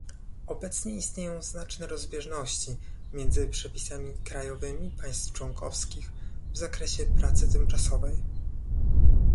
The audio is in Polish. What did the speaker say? Obecnie istnieją znaczne rozbieżności między przepisami krajowymi państw członkowskich w zakresie pracy tymczasowej